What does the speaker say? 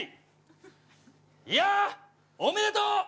いやあおめでとう！